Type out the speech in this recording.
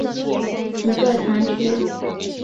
瓦拉达里什是葡萄牙波尔图区的一个堂区。